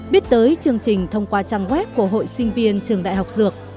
biết tới chương trình thông qua trang web của hội sinh viên trường đại học dược